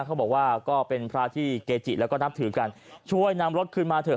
เขาบอกว่าก็เป็นพระที่เกจิแล้วก็นับถือกันช่วยนำรถขึ้นมาเถ